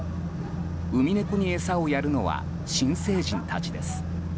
ウミネコに餌をやるのは新成人たちです。